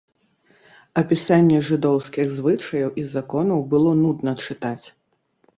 Апісанне жыдоўскіх звычаяў і законаў было нудна чытаць.